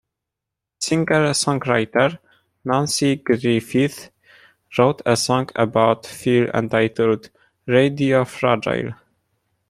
Singer-songwriter Nanci Griffith wrote a song about Phil entitled "Radio Fragile".